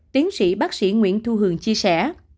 tiến sĩ bác sĩ nguyễn thu hường chia sẻ